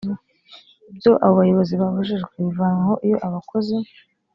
ibyo abo bayobozi babujijwe bivanwaho iyo abakozi